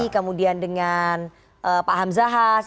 kemudian dengan pak hamzahas